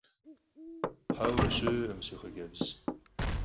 Heue, şı'ekhım, si xhıcebz.